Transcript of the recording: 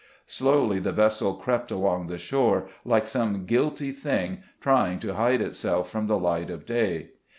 Slowly the vessel crept along the shore, like some guilty thing, trying to hide itself from the light of day.